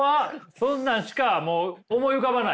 そんなんしかもう思い浮かばない？